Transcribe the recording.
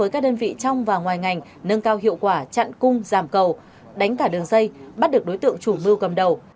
cùng giảm cầu đánh cả đường dây bắt được đối tượng chủ mưu cầm đầu